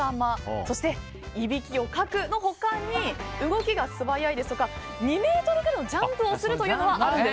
そしていびきをかくの他に動きが素早いですとか２ｍくらいのジャンプをするというのはあるんです。